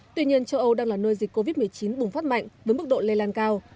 tuy nhiên châu âu đang là nơi dịch covid một mươi chín bùng phát mạnh với mức độ lây lan cao